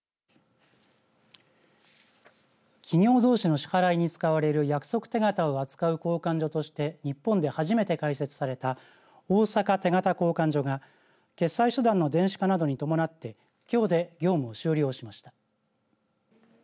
企業どうしの支払いに使われる約束手形を扱う交換所として日本で初めて開設された大阪手形交換所が決済手段の電子化などに伴ってきょうで業務を終了しました。